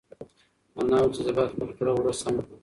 انا وویل چې زه باید خپل کړه وړه سم کړم.